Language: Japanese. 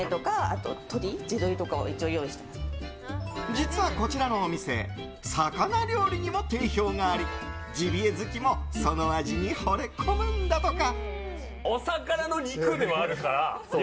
実は、こちらのお店魚料理にも定評がありジビエ好きも、その味にほれ込むんだとか。